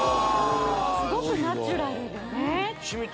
すごくナチュラルでね